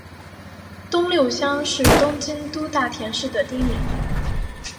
东六乡是东京都大田区的町名。